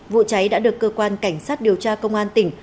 vụ cháy đã được cơ quan cảnh sát điều tra công an tỉnh